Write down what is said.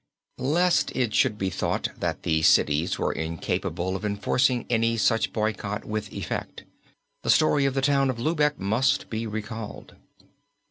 Lest it should be thought that the cities were incapable of enforcing any such boycott with effect, the story of the town of Lübeck must be recalled.